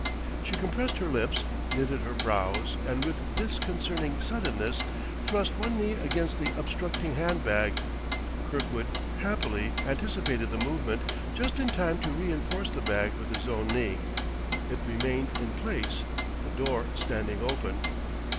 She compressed her lips, knitted her brows, and with disconcerting suddenness thrust one knee against the obstructing hand bag; Kirkwood, happily, anticipated the movement just in time to reinforce the bag with his own knee; it remained in place, the door standing open.